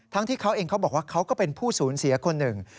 ที่เขาเองเขาบอกว่าเขาก็เป็นผู้สูญเสียคนหนึ่ง